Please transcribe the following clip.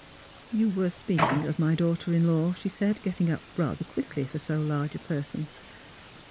*' You were speaking of my daughter in law," she said, getting up rather quickly for so large a person.